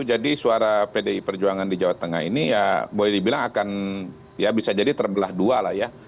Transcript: jadi suara pdi perjuangan di jawa tengah ini ya boleh dibilang akan ya bisa jadi terbelah dua lah ya